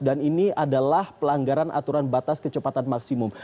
dan ini adalah pelanggaran aturan batas kecepatan maksimum